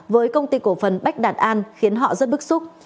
với công ty cổ phần bách đạt an khiến họ rất bức xúc